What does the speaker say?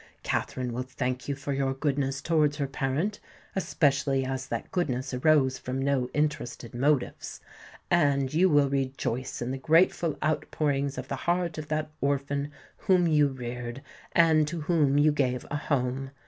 Katherine will thank you for your goodness towards her parent—especially as that goodness arose from no interested motives; and you will rejoice in the grateful outpourings of the heart of that orphan whom you reared, and to whom you gave a home.